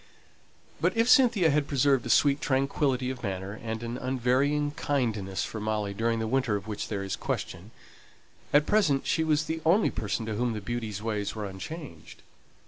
But if Cynthia had preserved a sweet tranquillity of manner and an unvarying kindness for Molly during the winter of which there is question, at present she was the only person to whom the beauty's ways were unchanged.